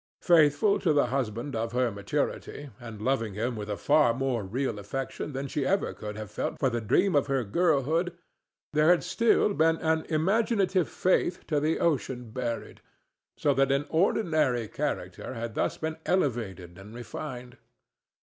Faithful to the husband of her maturity, and loving him with a far more real affection than she ever could have felt for this dream of her girlhood, there had still been an imaginative faith to the ocean buried; so that an ordinary character had thus been elevated and refined.